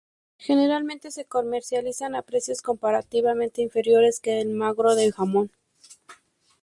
Generalmente se comercializan a precios comparativamente inferiores que el magro de jamón.